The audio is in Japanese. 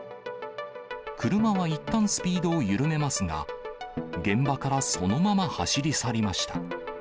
車はいったんスピードを緩めますが、現場からそのまま走り去りました。